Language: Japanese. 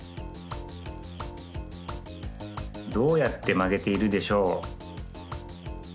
どうやってまげているでしょう？